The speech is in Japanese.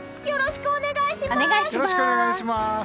よろしくお願いします！